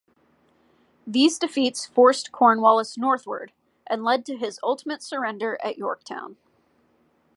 These defeats forced Cornwallis northward, and led to his ultimate surrender at Yorktown.